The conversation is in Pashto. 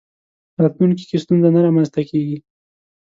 راتلونکي کې ستونزه نه رامنځته کېږي.